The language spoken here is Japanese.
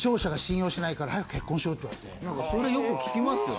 それよく聞きますよね。